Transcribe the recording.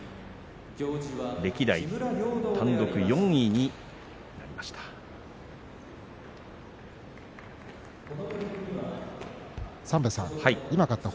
歴代単独４位になりました。